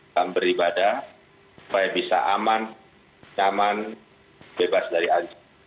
dan beribadah supaya bisa aman nyaman bebas dari anjing